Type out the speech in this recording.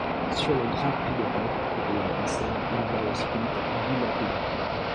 Sur le Grand Prix d'Europe, couru à Vincennes, il bat au sprint Guy Lapébie.